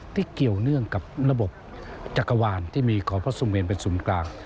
เกี่ยวเนื่องกับระบบจักรวาลที่มีขอพระสุเมนเป็นศูนย์กลาง